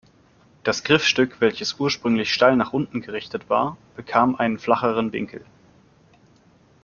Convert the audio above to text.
Das Griffstück, welches ursprünglich steil nach unten gerichtet war, bekam einen flacheren Winkel.